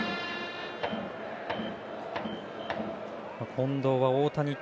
近藤は大谷と。